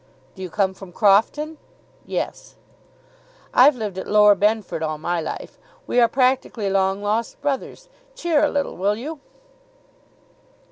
"Do you come from Crofton?" "Yes." "I've lived at Lower Benford all my life. We are practically long lost brothers. Cheer a little, will you?"